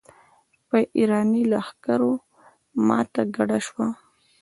په اېراني لښکرو ماته ګډه شوه.